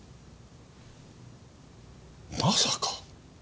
まさか！